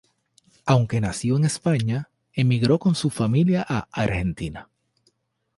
Aunque nació en España, emigró con su familia a Argentina.